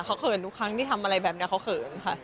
เขาเขินทุกครั้งที่ทำอะไรแบบนี้เขาเขินค่ะ